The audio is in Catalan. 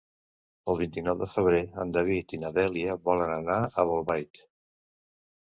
El vint-i-nou de febrer en David i na Dèlia volen anar a Bolbait.